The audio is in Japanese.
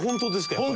やっぱり。